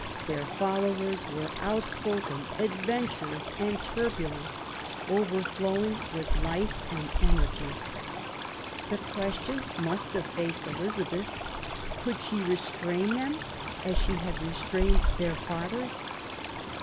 Their followers were outspoken, adventurous and turbulent, over flowing with life and energy. The question must have faced Elizabeth, Could she restrain them, as she had restrained their fathers